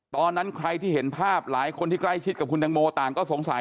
ตอนนั้นใครที่เห็นภาพหลายคนที่ใกล้ชิดกับคุณตังโมต่างก็สงสัย